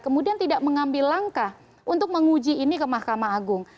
kemudian tidak mengambil langkah untuk menguji ini ke mahkamah agung